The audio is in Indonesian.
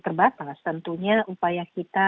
terbatas tentunya upaya kita